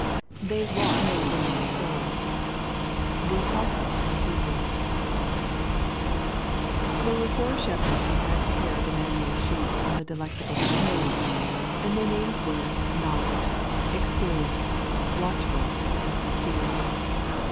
'They watch for your souls.' The Apostle to the Hebrews. There were four shepherds who had the care of Immanuel's sheep on the Delectable Mountains, and their names were Knowledge, Experience, Watchful, and Sincere.